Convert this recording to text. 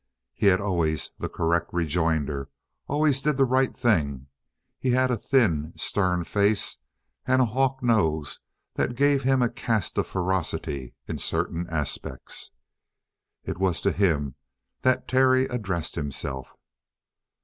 He had always the correct rejoinder, always did the right thing. He had a thin, stern face and a hawk nose that gave him a cast of ferocity in certain aspects. It was to him that Terry addressed himself.